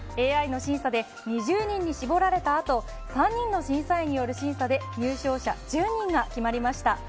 ＡＩの審査で２０人に絞られたあと３人の審査員による審査で入賞者１０人が決まりました。